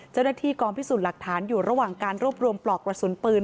เจ้าหน้าที่กองพิสูจน์หลักฐานอยู่ระหว่างการรวบรวมปลอกกระสุนปืน